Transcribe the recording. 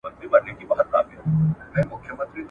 نن یې زما په غاړه خون دی نازوه مي !.